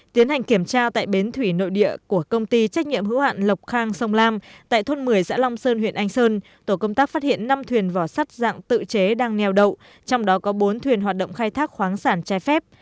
tiến hành kiểm tra tại bến thủy nội địa của công ty trách nhiệm hữu hạn lộc khang sông lam tại thôn một mươi xã long sơn huyện anh sơn tổ công tác phát hiện năm thuyền vỏ sắt dạng tự chế đang neo đậu trong đó có bốn thuyền hoạt động khai thác khoáng sản trái phép